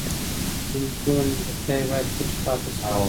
د ملګرو نیمګړتیاوې باید پټې پاتې نسی.